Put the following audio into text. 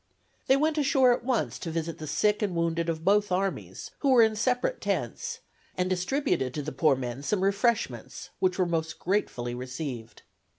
They went ashore at once to visit the sick and wounded of both armies, who were in separate tents, and distributed to the poor men some refreshments, which were most gratefully received.